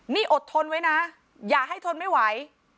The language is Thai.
นี่อดทนไว้นะอย่าให้ทนไม่ไหว